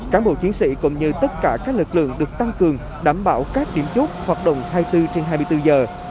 cán bộ chiến sĩ cũng như tất cả các lực lượng được tăng cường đảm bảo các điểm chốt hoạt động hai mươi bốn trên hai mươi bốn giờ